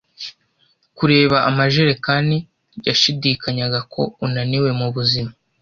kureba amajerekani yashidikanyaga ko unaniwe mubuzima.